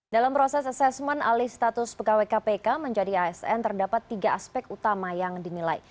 dalam proses asesmen alih status pegawai kpk menjadi asn terdapat tiga aspek utama yang dinilai